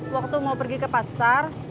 waktu mau pergi ke pasar